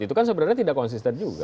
itu kan sebenarnya tidak konsisten juga